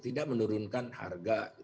tidak menurunkan harga